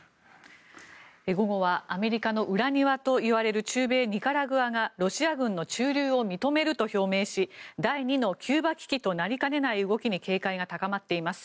午後はアメリカの裏庭といわれる中米ニカラグアがロシア軍の駐留を認めると表明し第２のキューバ危機となりかねない動きに警戒が高まっています。